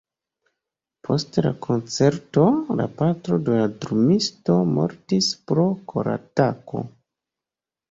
Post la koncerto, la patro de la drumisto mortis pro koratako.